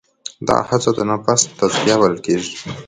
دغه هڅه د نفس تزکیه بلل کېږي.